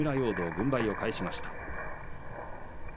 軍配を返しました。